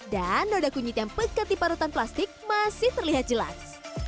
dan noda kunyit yang pekat di parutan plastik masih terlihat jelas